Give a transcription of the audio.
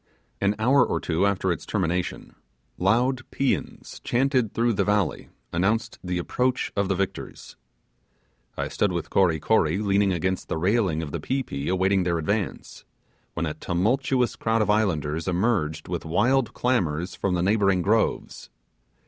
An hour or two after its termination, loud paeans chanted through the valley announced the approach of the victors. I stood with Kory Kory leaning against the railing of the pi pi awaiting their advance, when a tumultuous crowd of islanders emerged with wild clamours from the neighbouring groves.